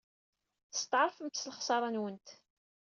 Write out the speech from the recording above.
Testeɛṛfemt s lexṣara-nwent.